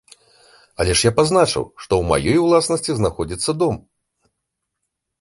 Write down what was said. Але ж я пазначыў, што ў маёй уласнасці знаходзіцца дом.